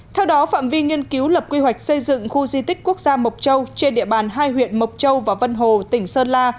theo đó phạm vi nghiên cứu lập quy hoạch xây dựng khu di tích quốc gia mộc châu trên địa bàn hai huyện mộc châu và vân hồ tỉnh sơn la